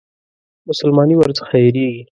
مسلماني ورڅخه هېرېږي.